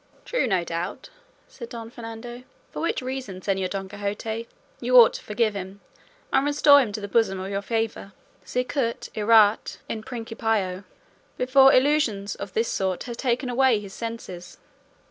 "True, no doubt," said Don Fernando, "for which reason, Señor Don Quixote, you ought to forgive him and restore him to the bosom of your favour, sicut erat in principio, before illusions of this sort had taken away his senses."